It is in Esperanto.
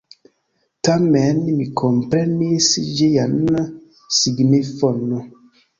Tamen mi komprenis ĝian signifon.